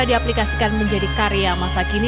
diaplikasikan menjadi karya masa kini